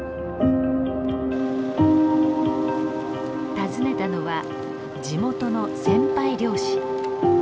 訪ねたのは地元の先輩漁師。